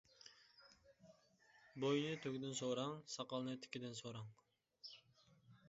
بوينى تۆگىدىن سوراڭ، ساقالنى تېكىدىن سوراڭ.